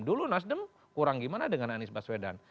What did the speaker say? dulu nasdem kurang gimana dengan anies baswedan